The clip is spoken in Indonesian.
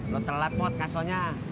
lo terlapot kasonya